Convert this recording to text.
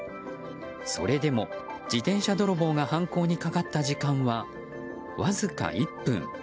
それでも自転車泥棒が犯行にかかった時間はわずか１分。